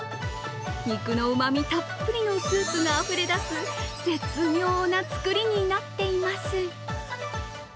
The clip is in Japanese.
肉のうまみたっぷりのスープがあふれ出す絶妙な作りになっています。